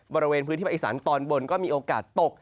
บริเวณพื้นที่ภาคอีสานตอนบนก็มีโอกาสตก